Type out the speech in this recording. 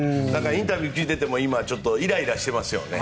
インタビューを聞いていてもイライラしていますよね。